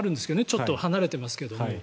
ちょっと離れていますけども。